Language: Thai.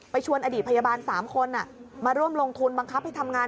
ชวนอดีตพยาบาล๓คนมาร่วมลงทุนบังคับให้ทำงาน